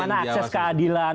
bagaimana akses keadilan